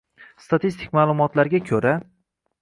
Statistik ma’lumotlarga ko‘ra